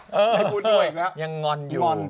ไม่พูดด้วยยังงอนอยู่